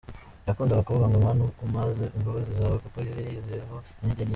Yakundaga kuvuga ngo “Mana umpaze imbabazi zawe, kuko yari yiyiziho intege nke.